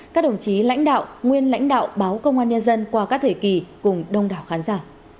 các đồng chí lãnh đạo nguyên lãnh đạo báo công an nhân dân qua các thời kỳ cùng đông đảo khán giả